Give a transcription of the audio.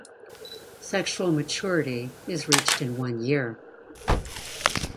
Sexual maturity is reached in one year.